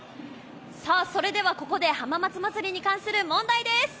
それではここで浜松まつりに関する問題です。